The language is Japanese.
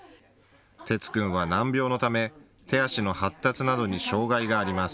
哲君は難病のため手足の発達などに障害があります。